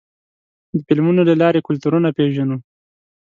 د فلمونو له لارې کلتورونه پېژنو.